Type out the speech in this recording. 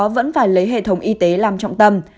vẫn phải lấy hệ thống y tế làm trọng tâm